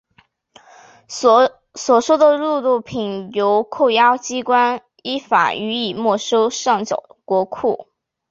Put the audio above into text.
所收的贿赂品由扣押机关依法予以没收上缴国库。